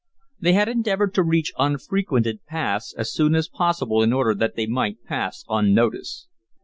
They had endeavored to reach unfrequented paths as soon as possible in order that they might pass unnoticed.